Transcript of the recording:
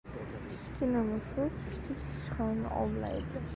• Kichkina mushuk kichik sichqonni ovlaydi.